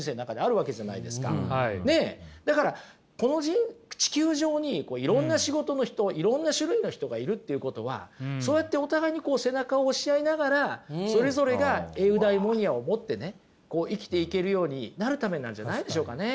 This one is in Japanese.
だからこの地球上にいろんな仕事の人いろんな種類の人がいるっていうことはそうやってお互いにこう背中を押し合いながらそれぞれがエウダイモニアを持ってねこう生きていけるようになるためなんじゃないでしょうかね。